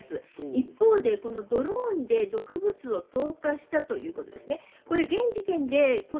一方で、ドローンで毒物を投下したということですね。